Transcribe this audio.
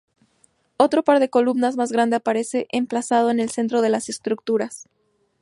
Otro par de columnas más grande aparece emplazado en el centro de las estructuras.